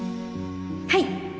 はい